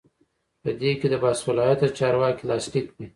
په دې کې د باصلاحیته چارواکي لاسلیک وي.